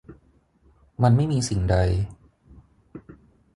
มันไม่มีสิ่งใด